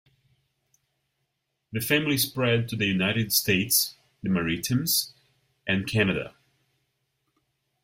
The family spread to the United States, the Maritimes and Canada.